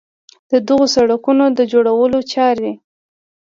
د دغو سړکونو د جوړولو چارې